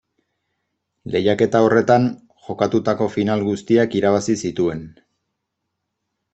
Lehiaketa horretan, jokatutako final guztiak irabazi zituen.